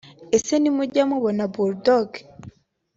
Ese ntimujya mubona Bull Dogg